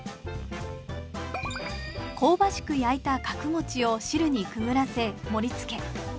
香ばしく焼いた角を汁にくぐらせ盛りつけ。